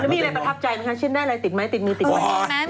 แล้วมีอะไรประทับใจไหมคะชิ้นได้อะไรติดไหมติดมีติดไหม